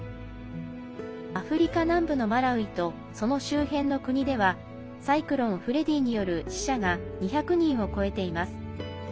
アフリカ南部のマラウイとその周辺の国ではサイクロン、フレディによる死者が２００人を超えています。